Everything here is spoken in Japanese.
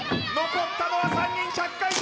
残ったのは３人１００回